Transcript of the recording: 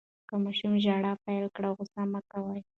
که ماشوم ژړا پیل کړه، غوصه مه کوئ.